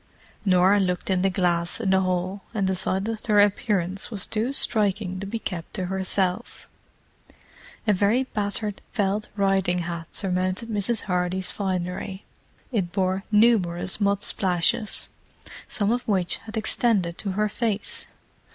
Norah looked in the glass in the hall, and decided that her appearance was too striking to be kept to herself. A very battered felt riding hat surmounted Mrs. Hardy's finery; it bore numerous mud splashes, some of which had extended to her face.